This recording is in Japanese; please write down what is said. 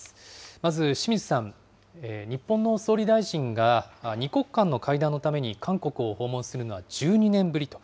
まず清水さん、日本の総理大臣が２国間の会談のために韓国を訪問するのは１２年ぶりと。